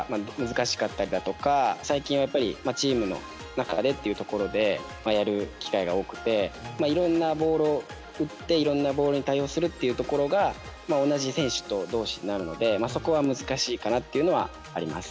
最近はやっぱりチームの中でというところでやる機会が多くていろんなボールを打っていろんなボールに対応するというところが同じ選手とどうしになるのでそこは難しいかなっていうのはあります。